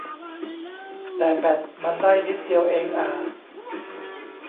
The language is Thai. แต่แบตมันได้นิดเดียวเองอ่า